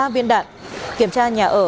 ba viên đạn kiểm tra nhà ở